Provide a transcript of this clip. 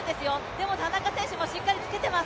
でも、田中選手もしっかりつけてます。